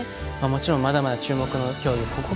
もちろんまだまだ注目の競技。